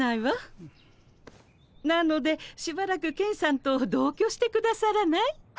なのでしばらくケンさんと同居してくださらない？